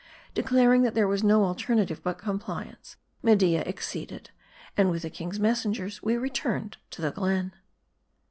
Declaring that there was no alternative but compliance, Media acceded ; and with the king's, messengers we return ed to the glen.